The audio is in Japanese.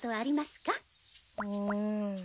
うん。